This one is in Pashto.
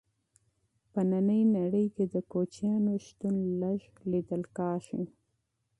په ننۍ نړۍ کې د کوچیانو شتون لږ لیدل کیږي.